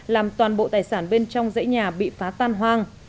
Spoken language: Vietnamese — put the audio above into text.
làm toàn bộ tài sản bên trong dãy nhà bị phá tan hoang